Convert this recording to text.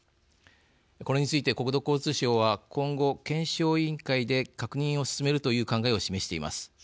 これについて国土交通省は今後、検証委員会で確認を進めるという考えを示しています。